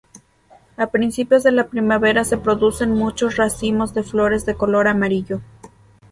A principios de la primavera se producen muchos racimos de flores de color amarillo.